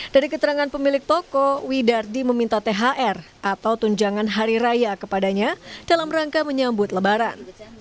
dari keterangan pemilik toko widardi meminta thr atau tunjangan hari raya kepadanya dalam rangka menyambut lebaran